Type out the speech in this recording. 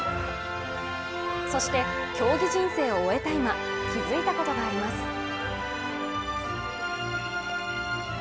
そして競技人生を終えた今気付いたことがあります。